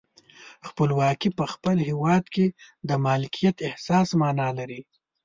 خپلواکي په خپل هیواد کې د مالکیت احساس معنا لري.